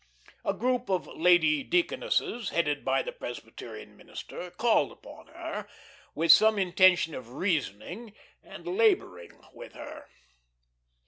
A group of lady deaconesses, headed by the Presbyterian minister, called upon her, with some intention of reasoning and labouring with her.